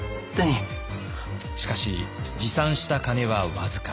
しかし持参した金は僅か。